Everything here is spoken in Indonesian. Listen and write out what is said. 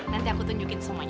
nanti aku tunjukin semuanya